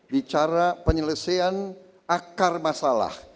bicara penyelesaian akar masalah